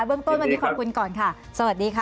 เรื่องต้นวันนี้ขอบคุณก่อนค่ะสวัสดีค่ะ